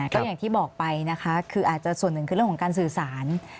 ก็อย่างที่บอกไปนะคะคืออาจจะส่วนหนึ่งคือเรื่องของการสื่อสาร